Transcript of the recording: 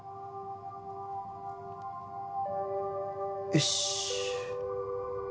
よし！